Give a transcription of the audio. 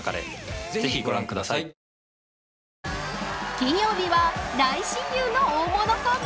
金曜日は大親友の大物コンビ